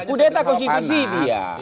udeta konstitusi dia